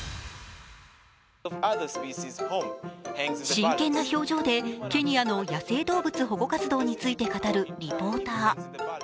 真剣な表情でケニアの野生動物保護活動について語るリポーター。